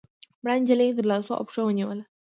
مړه نجلۍ يې تر لاسو او پښو ونيوله